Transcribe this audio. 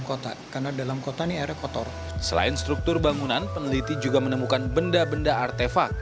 kota karena dalam kota ini airnya kotor selain struktur bangunan peneliti juga menemukan benda benda artefak